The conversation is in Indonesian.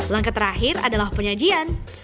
langkah terakhir adalah penyajian